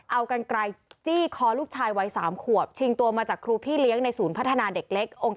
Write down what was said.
เอากันไกลจี้คอลูกชายวัย๓ขวบชิงตัวมาจากครูพี่เลี้ยงในศูนย์พัฒนาเด็กเล็ก